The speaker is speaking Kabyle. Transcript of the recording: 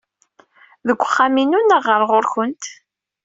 Deg uxxam-inu neɣ ɣer-went?